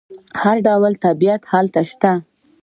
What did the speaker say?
هر ډول طبیعت هلته شته.